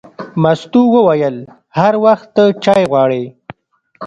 مستو وویل: هر وخت ته چای غواړې.